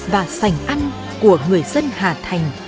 và sành ăn của người dân hà thành